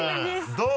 どう？